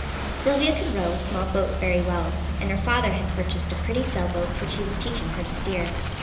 Sylvia could row a small boat very well, and her father had purchased a pretty sailboat which he was teaching her to steer.